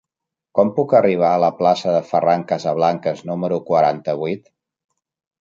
Com puc arribar a la plaça de Ferran Casablancas número quaranta-vuit?